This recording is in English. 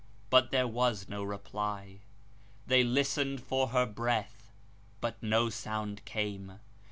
But there was no reply. They listened for her breath, but no sound came.